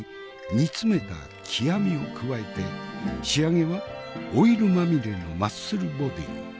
煮詰めた極みを加えて仕上げはオイルまみれのマッスルボディーに。